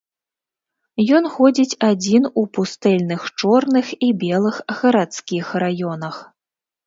Ён ходзіць адзін у пустэльных чорных і белых гарадскіх раёнах.